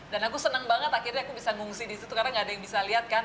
dan aku seneng banget akhirnya aku bisa ngungsi disitu karena gak ada yang bisa lihat kan